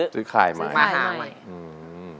ซื้อข่ายใหม่อืมอืมอืมอืมอืมอืมอืมอืมอืมอืมอืม